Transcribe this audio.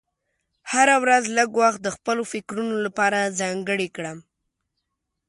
هره ورځ لږ وخت د خپلو فکرونو لپاره ځانګړی کړه.